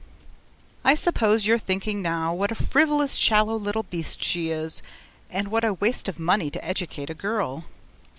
I suppose you're thinking now what a frivolous, shallow little beast she is, and what a waste of money to educate a girl?